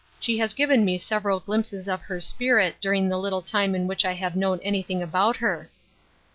She has given me several glimp«es of her spirit during the little time in which 1 have known anything about her.''